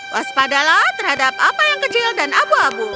waspadalah terhadap apa yang kecil dan abu abu